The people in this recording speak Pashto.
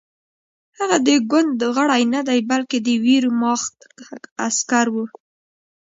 هغه د ګوند غړی نه دی بلکې د ویرماخت عسکر و